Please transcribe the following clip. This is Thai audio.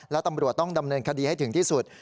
และตำรวจต้องดำเนินคดีให้ถึงที่สุด